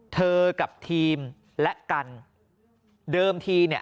กับทีมและกันเดิมทีเนี่ย